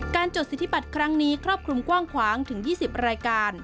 จดสิทธิบัตรครั้งนี้ครอบคลุมกว้างขวางถึง๒๐รายการ